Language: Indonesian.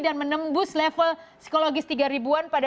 dan menembus level psikologis tiga ribu an pada dua ribu satu ratus dua belas